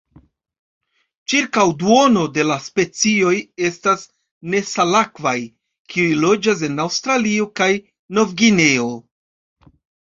Ĉirkaŭ duono de la specioj estas nesalakvaj, kiuj loĝas en Aŭstralio kaj Novgvineo.